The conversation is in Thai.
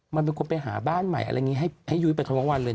มันเป็นคนไปหาบ้านใหม่หรือซึ่งให้ยุยปรัฐมวันเลย